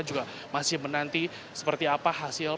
juga masih menanti seperti apa hasil